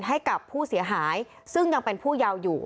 ให้กับผู้เสียหายซึ่งยังเป็นผู้เยาว์อยู่